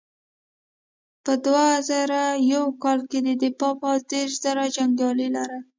په دوه زره یو کال کې د دفاع پوځ دېرش زره جنګیالي لرل.